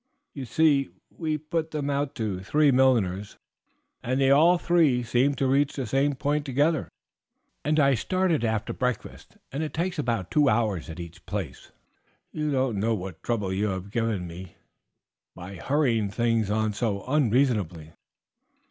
You see, we put them out to three milliners, and they all three seem to reach the same point together, and I start after breakfast, and it takes about two hours at each place. You don't know what trouble you have given me by hurrying things on so unreasonably."